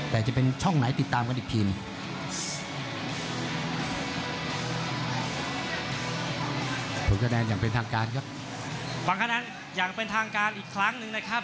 แต่จะเป็นช่องไหนติดตามกันอีกที